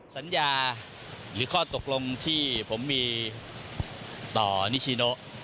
สัญญาหรือข้อตกลงที่ผมมีต่อนิชิโน